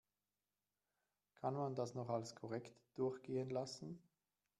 Kann man das noch als korrekt durchgehen lassen?